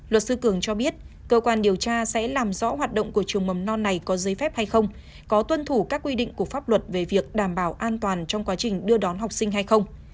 luật sư cường cho biết cơ quan điều tra sẽ làm rõ hoạt động của trường mầm non này có giấy phép hay không có tuân thủ các quy định của pháp luật về việc đảm bảo an toàn trong quá trình đưa đón học sinh hay không